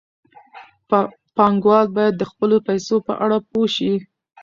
پانګوال باید د خپلو پیسو په اړه پوه شي.